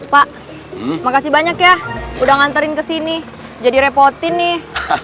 pak makasih banyak ya udah nganterin ke sini jadi repotin nih